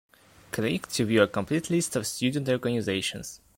Click to view a complete list of student organizations.